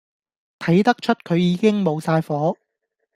睇得出佢已經無晒火